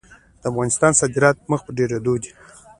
د افغانستان صادرات مخ په ډیریدو دي